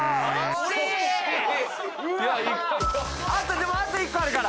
でもあと１個あるから。